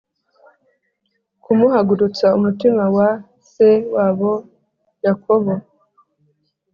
kumuhagurutsa umutima wa se wabo Yakobo